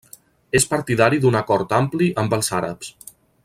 És partidari d'un acord ampli amb els àrabs.